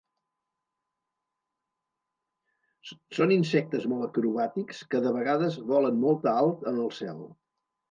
Són insectes molt acrobàtics que de vegades volen molt alt en el cel.